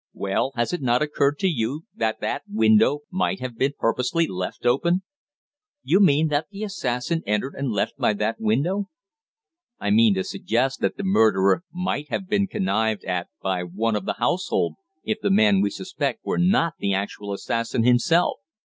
"Well, has it not occurred to you that that window might have been purposely left open?" "You mean that the assassin entered and left by that window?" "I mean to suggest that the murder might have been connived at by one of the household, if the man we suspect were not the actual assassin himself."